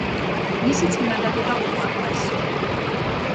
მისი წინადადება უარყვეს.